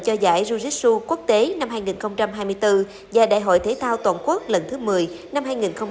cho giải jujitsu quốc tế năm hai nghìn hai mươi bốn và đại hội thế thao toàn quốc lần thứ một mươi năm hai nghìn hai mươi